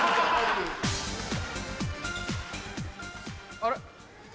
あれ？